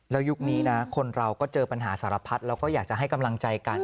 แล้วยุคนี้นะคนเราก็เจอปัญหาสารพัดแล้วก็อยากจะให้กำลังใจกัน